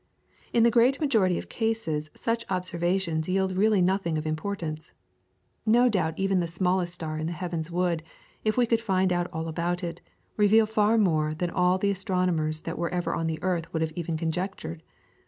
In the great majority of cases such observations yield really nothing of importance; no doubt even the smallest star in the heavens would, if we could find out all about it, reveal far more than all the astronomers that were ever on the earth have even conjectured.